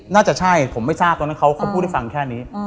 น่าจะใช่ผมไม่ทราบตอนนั้นเขาพูดให้ฟังแค่นี้